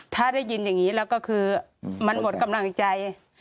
ถ้าได้ยินอย่างนี้แล้วก็คือมันหมดกำลังใจ